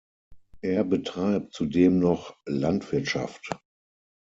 Er betreibt zudem noch Landwirtschaft.